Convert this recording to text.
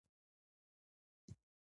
که هنرمند وي نو ذوق نه مري.